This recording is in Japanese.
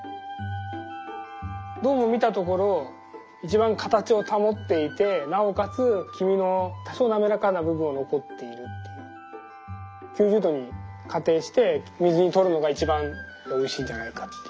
どうも見たところ一番形を保っていてなおかつ黄身の多少なめらかな部分残っているっていう９０℃に仮定して水にとるのが一番おいしいんじゃないかっていう。